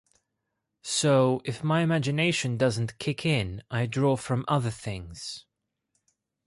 So if my imagination doesn't kick in, I draw from other things.